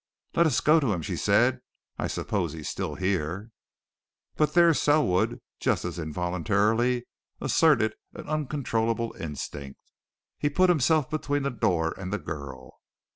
"Let us go to him," she said. "I suppose he's still here?" But there Selwood, just as involuntarily, asserted an uncontrollable instinct. He put himself between the door and the girl.